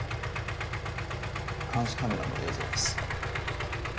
監視カメラの映像です。